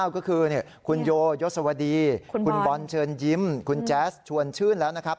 ก็คือคุณโยยศวดีคุณบอลเชิญยิ้มคุณแจ๊สชวนชื่นแล้วนะครับ